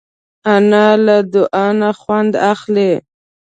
انا له دعا نه خوند اخلي